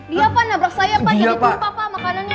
dia pak nabrak saya pak yang ditumpah pak makanannya